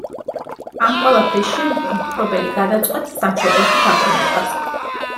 ამ ყველაფრის შემდეგ მთხრობელი გადაწყვეტს სამშობლოში დაბრუნებას.